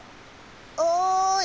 ・おい！